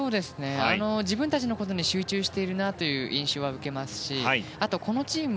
自分たちのことに集中しているなという印象は受けますしあとはこのチーム